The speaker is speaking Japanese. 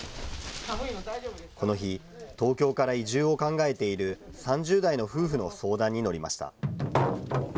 この日、東京から移住を考えている３０代の夫婦の相談に乗りました。